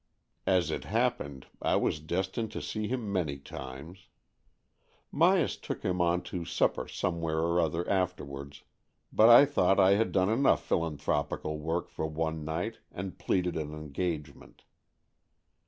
As it happened, I was destined to see him many times. Myas took him on to supper somewhere or other afterwards, but I thought I had done enough philanthropical work for one night, and pleaded an engagement.